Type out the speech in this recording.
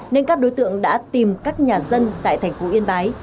nên các đối tượng đã tìm các nhà dân tại thành phố yên bái